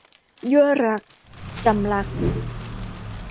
ยั่วรัก - จำลักษณ์